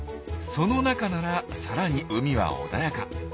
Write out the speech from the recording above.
その中ならさらに海は穏やか。